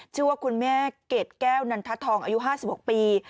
ชื่อว่าคุณแม่เกรดแก้วนันททองอายุ๕๖ปี